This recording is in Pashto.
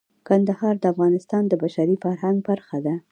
کندهار د افغانستان د بشري فرهنګ برخه ده.